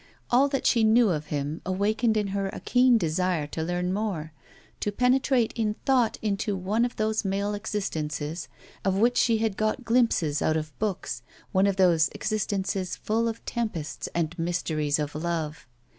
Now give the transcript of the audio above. All that she knew of him awakened in her a keen desire to learn more, to penetrate in thought into one of those male existences of which she had got glimpses out of books, one of those existences full of tempests and mysteries of love.